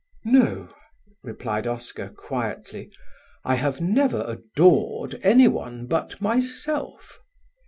"No," replied Oscar quietly, "I have never adored anyone but myself."